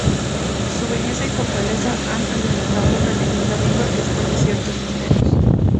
Su belleza y fortaleza han alimentado una leyenda viva que esconde ciertos misterios.